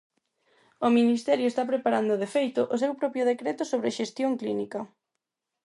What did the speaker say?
O ministerio está preparando, de feito, o seu propio decreto sobre xestión clínica.